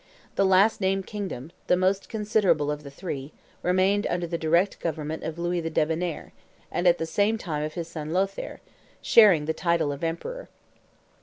The last named kingdom, the most considerable of the three, remained under the direct government of Louis the Debonnair, and at the same time of his son Lothaire, sharing the title of emperor.